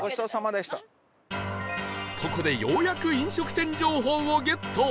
ここでようやく飲食店情報をゲット